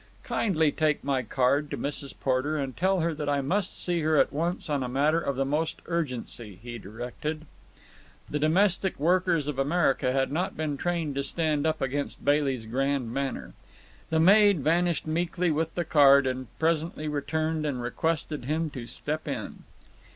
"Kindly take my card to Mrs. Porter and tell her that I must see her at once on a matter of the utmost urgency," he directed. The domestic workers of America had not been trained to stand up against Bailey's grand manner. The maid vanished meekly with the card, and presently returned and requested him to step in.